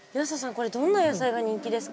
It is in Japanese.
これどんな野菜が人気ですか？